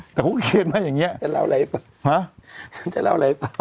แต่ผมเคลียดมาอย่างเงี้ยจะเล่าอะไรหรือเปล่าห้ะจะเล่าอะไรหรือเปล่า